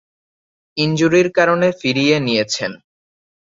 ইনজুরির কারণে ফিরিয়ে নিয়েছেন